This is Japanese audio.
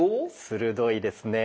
鋭いですね。